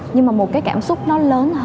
nhưng mà một cái cảm xúc nó lớn